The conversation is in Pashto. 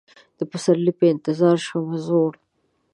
د پسرلي په انتظار شومه زوړ